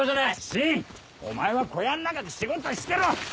信お前は小屋ん中で仕事してろ！